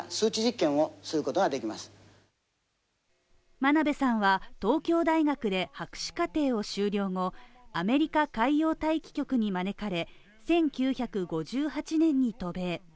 真鍋さんは東京大学で博士課程を修了後、アメリカ海洋大気局に招かれ１９５８年に渡米。